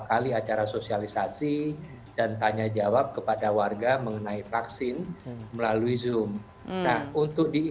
kali acara sosialisasi dan tanya jawab kepada warga mengenai vaksin melalui zoom nah untuk di